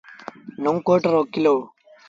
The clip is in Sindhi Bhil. نئون ڪوٽ رو ڪلو۔